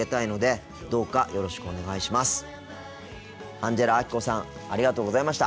アンジェラアキコさんありがとうございました。